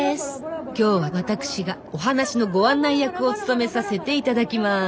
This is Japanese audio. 今日は私がお話のご案内役を務めさせて頂きます。